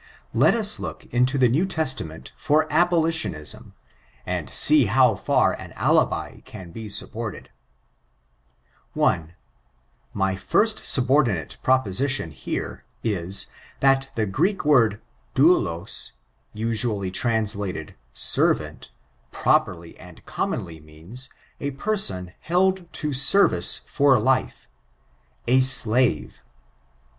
Let us look into the New Testament Hir ab^ilitionism, and see how far an alibi can be supported. 1. 3ijf Jirai nthardinate prepodtion heret m, l^ai the Greek word^ doulos, usually translated servcmi^ properly and commonly means a person held to service Jbr It/e^ ^a slave.